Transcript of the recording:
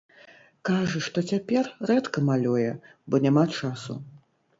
Кажа, што цяпер рэдка малюе, бо няма часу.